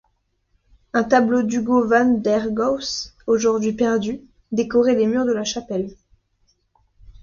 Un tableau d'Hugo van der Goes, aujourd'hui perdu, décorait les murs de la chapelle.